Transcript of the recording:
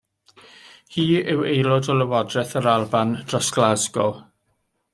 Hi yw Aelod o Lywodraeth yr Alban dros Glasgow.